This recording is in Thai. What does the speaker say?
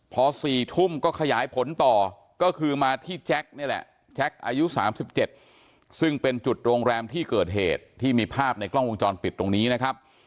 พอสี่ทุ่มก็ขยายผลต่อก็คือมาที่แจ๊คนี่แหละ